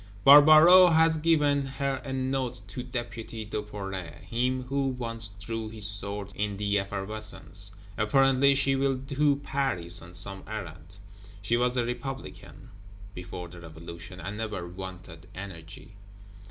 Barbaroux has given her a Note to Deputy Duperret, him who once drew his sword in the effervescence. Apparently she will to Paris on some errand? "She was a Republican before the Revolution, and never wanted energy."